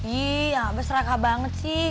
iya abah seraka banget sih